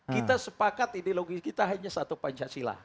kita sepakat ideologi kita hanya satu pancasila